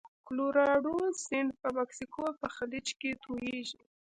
کلورادو سیند په مکسیکو په خلیج کې تویږي.